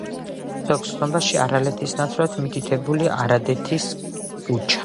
ზოგ ცნობარში არალეთის ნაცვლად მითითებულია არადეთის ქუჩა.